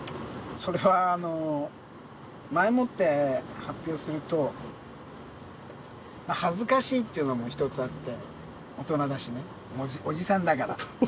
それはあの、前もって発表すると、恥ずかしいというのが一つあって、大人だしね、もうおじさんだから。